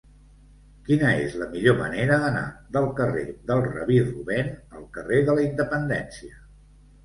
Quina és la millor manera d'anar del carrer del Rabí Rubèn al carrer de la Independència?